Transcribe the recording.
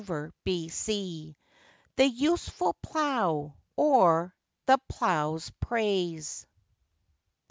THE USEFUL PLOW; OR, THE PLOUGH'S PRAISE.